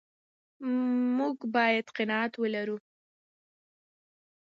موږ باید قناعت ولرو.